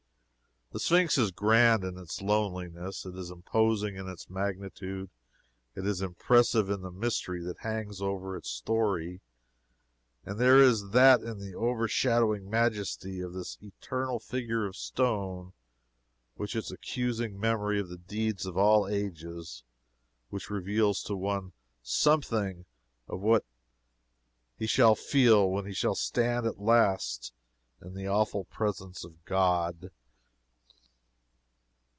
The Sphynx is grand in its loneliness; it is imposing in its magnitude; it is impressive in the mystery that hangs over its story. And there is that in the overshadowing majesty of this eternal figure of stone, with its accusing memory of the deeds of all ages, which reveals to one something of what he shall feel when he shall stand at last in the awful presence of God.